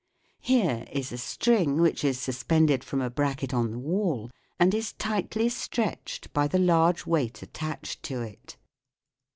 Here is a string (Fig. 21 ) which is suspended from a bracket on the wall, and is tightly stretched by the large weight attached to it.